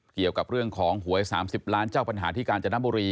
เกี่ยวกับเรื่องของหวย๓๐ล้านเจ้าปัญหาที่กาญจนบุรี